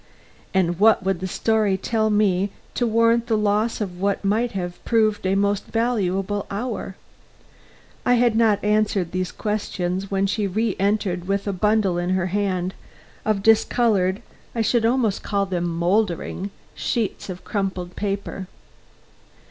And what would the story tell me to warrant the loss of what might have proved a most valuable hour? I had not answered these questions when she reëntered with a bundle in her hand of discolored I should almost call them mouldered sheets of much crumpled paper.